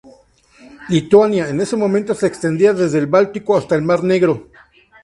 Lituania en ese momento se extendía desde el Báltico hasta el mar Negro.